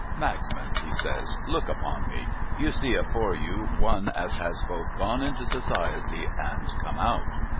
' Magsman,' he says, ' look upon me ! You see afore you. One as has both gone into Society and come out.'